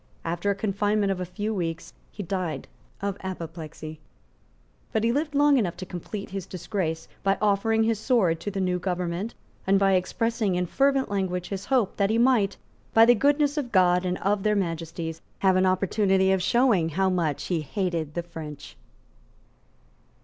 After a confinement of a few weeks he died of apoplexy; but he lived long enough to complete his disgrace by offering his sword to the new government, and by expressing in fervent language his hope that he might, by the goodness of God and of Their Majesties, have an opportunity of showing how much he hated the French.